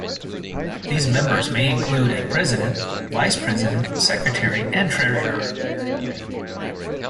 These members may include a president, vice president, secretary and treasurer.